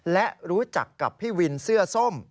และรู้จักกับพี่วินเสื้อส้ม